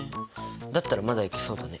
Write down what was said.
だったらまだいけそうだね。